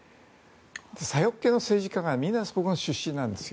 左翼系の政治家がみんなそこの出身なんですよ。